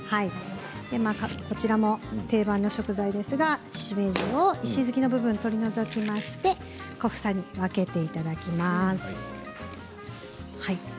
こちらも定番の食材ですがしめじは石突きを取り除いて小房に分けていきます。